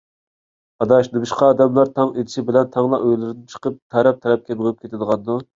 ئاداش، نېمىشقا ئادەملەر تاڭ ئېتىش بىلەن تەڭلا ئۆيلىرىدىن چىقىپ تەرەپ - تەرەپكە مېڭىپ كېتىدىغاندۇ؟